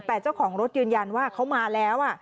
แต่เจ้าของรถยืนยันว่าเขามาแล้ว